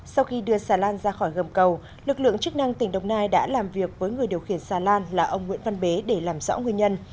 sau khi đưa xà lan ra khỏi gầm cầu lực lượng chức năng tỉnh đồng nai đã làm việc với người điều khiển xà lan là ông nguyễn văn bế để làm rõ nguyên nhân